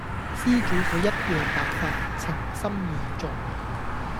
施主佢一夜白髮，情深義重